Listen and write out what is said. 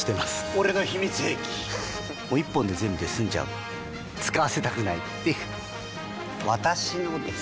俺の秘密兵器１本で全部済んじゃう使わせたくないっていう私のです！